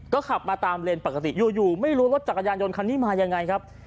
ก็ขับมาตามเลนปกติอยู่ไม่รู้รถจักรยานยนต์คันนี้มายังไงครับ